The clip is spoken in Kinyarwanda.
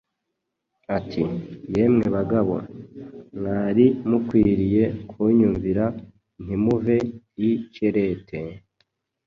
ati: “Yemwe bagabo, mwari mukwiriye kunyumvira ntimuve i Kerete,